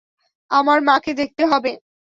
আমার মাকে দেখতে হবে।